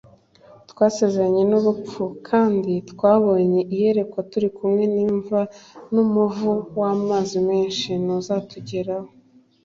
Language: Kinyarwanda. twasezeranye n urupfu m kandi twabonye iyerekwa turi kumwe n imva n umuvu w amazi menshi nuza ntuzatugeraho